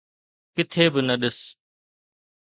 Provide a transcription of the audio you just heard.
ڪٿي به نه ڏس